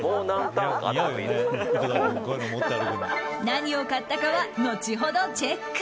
何を買ったかは後ほどチェック。